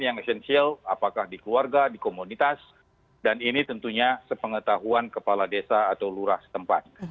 yang esensial apakah di keluarga di komunitas dan ini tentunya sepengetahuan kepala desa atau lurah setempat